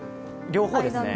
両方ですね。